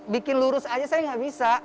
bikin lurus aja saya nggak bisa